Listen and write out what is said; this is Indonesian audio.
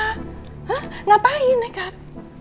hah ngapain nekat